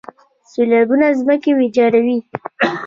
سیلابونه ځمکې ویجاړوي.